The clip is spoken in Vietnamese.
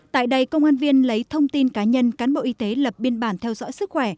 tại đây công an viên lấy thông tin cá nhân cán bộ y tế lập biên bản theo dõi sức khỏe